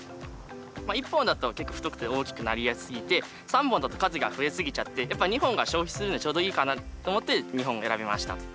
１本だと結構太くて大きくなりやすすぎて３本だと数が増えすぎちゃってやっぱ２本が消費するのにちょうどいいかなと思って２本を選びました。